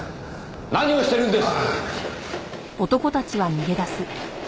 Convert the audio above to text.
何をしてるんです！？